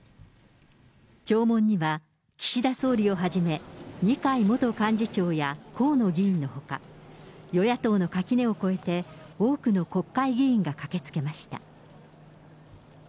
弔問には岸田総理をはじめ、二階元幹事長や河野議員のほか、与野党の垣根を越えて、多くの国会議員が駆けつけました。